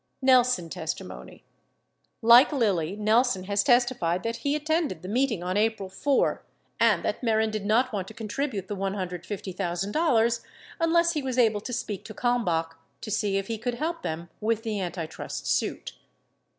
47 Nelson testimony. — Like Lilly, Nelson has testified that he attended the meeting on April 4 and that Mehren did not want to contribute the $1 50,000 unless he was able to speak to Kalmbach to see if he could help them with the antitrust suit.